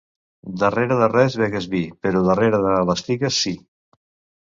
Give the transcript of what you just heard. Darrere de res begues vi, però darrere de les figues, sí.